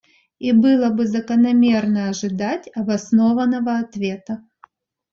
И было бы закономерно ожидать обоснованного ответа.